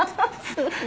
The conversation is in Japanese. すごい。